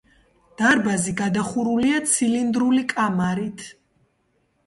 დარბაზი გადახურულია ცილინდრული კამარით.